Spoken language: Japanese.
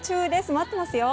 待ってますよ。